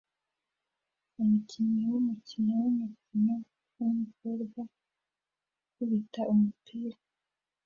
Umukinnyi wumukino wumukino wumukobwa ukubita umupira